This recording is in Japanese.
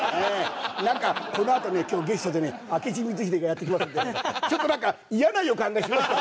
なんかこのあとね今日ゲストでね明智光秀がやって来ますんでねちょっとなんか嫌な予感がしますけどね。